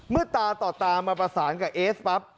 ตาต่อตามาประสานกับเอสปั๊บ